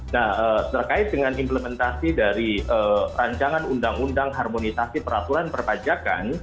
nah terkait dengan implementasi dari rancangan undang undang harmonisasi peraturan perpajakan